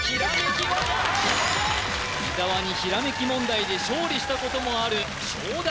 伊沢にひらめき問題で勝利したこともある勝田